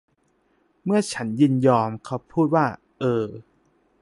เมื่อฉันยินยอม เขาพูดว่า เออ